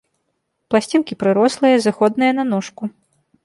Пласцінкі прырослыя, зыходныя на ножку.